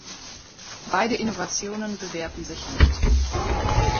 Beide Innovationen bewährten sich nicht.